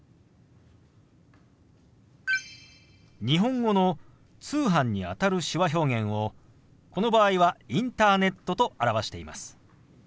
日本語の「通販」にあたる手話表現をこの場合は「インターネット」と表しています。